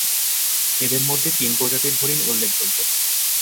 এদের মধ্যে তিন প্রজাতির হরিণ উল্লেখযোগ্য।